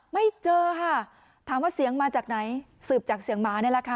ไม่เจอค่ะถามว่าเสียงมาจากไหนสืบจากเสียงหมานี่แหละค่ะ